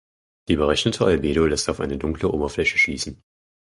Die berechnete Albedo lässt auf eine dunkle Oberfläche schließen.